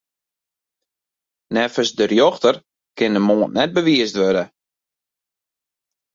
Neffens de rjochter kin de moard net bewiisd wurde.